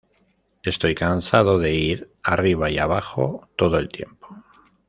Estoy cansado de ir arriba y abajo todo el tiempo.